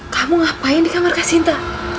kamu ngapain di kamar kasinta